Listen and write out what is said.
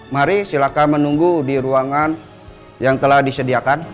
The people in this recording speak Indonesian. mari silakan menunggu di ruangan yang telah disediakan